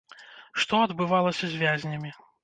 Што адбывалася з вязнямі?